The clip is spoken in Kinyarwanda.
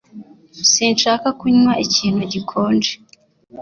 Sinshaka kunywa ikintu gikonje